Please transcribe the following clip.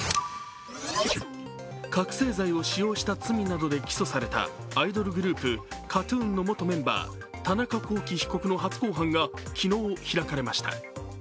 覚醒剤を使用した罪などで起訴されたアイドルグループＫＡＴ−ＴＵＮの元メンバー・田中聖被告の初公判が昨日、開かれました。